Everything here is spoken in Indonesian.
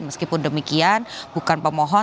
meskipun demikian bukan pemohon